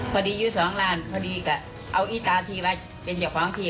พอดีอยู่๒ร้านพอดีก็เอาอีตาที่วัดเป็นเกี่ยวของที่